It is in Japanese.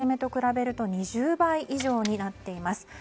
５月初めと比べると２０倍以上になっています。